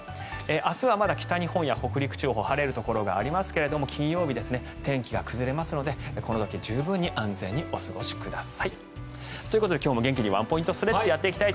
明日はまだ北日本や北陸地方は晴れるところがありますが金曜日、天気が崩れますのでこの時十分に安全にお過ごしください。ということで今日も元気にワンポイントストレッチをやっていきます。